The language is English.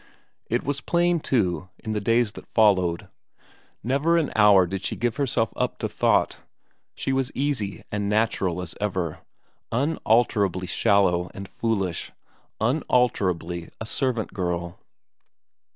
It was plain, too, in the days that followed; never an hour did she give herself up to thought; she was easy and natural as ever, unalterably shallow and foolish, unalterably a servant girl.